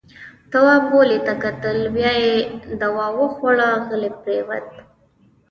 تواب غولي ته کتل. بيا يې دوا وخوړه، غلی پرېووت.